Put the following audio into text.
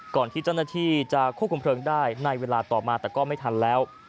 ก่อนที่เจ้าหน้าที่จะควบคุมเพลิงได้ในเวลาต่อมาแต่ก็ไม่ทันแล้ว